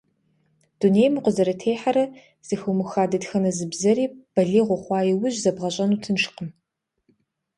Дунейм укъызэрытехьэрэ зэхыумыха дэтхэнэ зы бзэри балигъ ухъуа иужь зэбгъэщӀэну тыншкъым.